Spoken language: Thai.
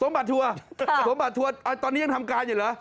สมบัติทัวร์ตอนนี้ยังทำการอยู่หรือ